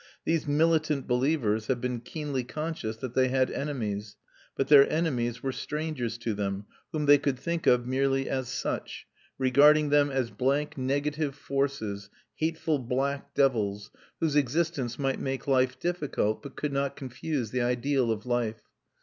These militant believers have been keenly conscious that they had enemies; but their enemies were strangers to them, whom they could think of merely as such, regarding them as blank negative forces, hateful black devils, whose existence might make life difficult but could not confuse the ideal of life.